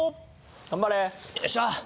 頑張れ！よいしょ！